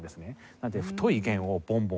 なので太い弦をボンボンボンボン。